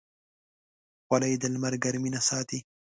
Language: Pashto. خولۍ د لمر ګرمۍ نه ساتي.